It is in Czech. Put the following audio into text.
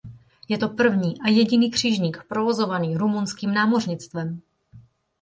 Je to první a jediný křižník provozovaný rumunským námořnictvem.